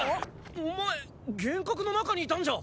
お前幻覚の中にいたんじゃ！？